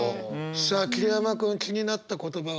さあ桐山君気になった言葉は？